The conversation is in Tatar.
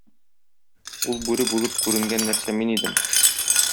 Ул бүре булып күренгән нәрсә мин идем.